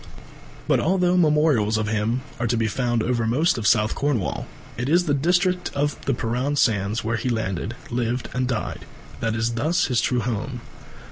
But although memorials of him are to be found over most of South Cornwall, it is the district of the Perran Sands, where he landed, lived and died, that is his true home.